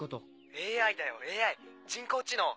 ＡＩだよＡＩ人工知能。